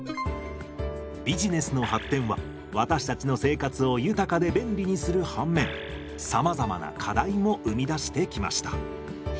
ビジネスの発展は私たちの生活を豊かで便利にする反面さまざまな課題も生み出してきました。